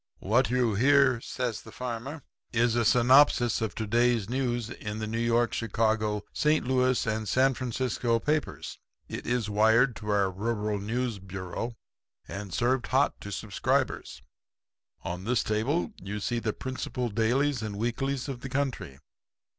"'What you hear,' says the farmer, 'is a synopsis of to day's news in the New York, Chicago, St. Louis and San Francisco papers. It is wired in to our Rural News Bureau and served hot to subscribers. On this table you see the principal dailies and weeklies of the country.